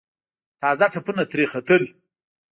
تازه تپونه ترې ختل.